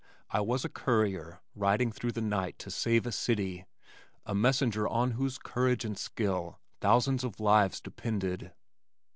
I was a courier riding through the night to save a city, a messenger on whose courage and skill thousands of lives depended.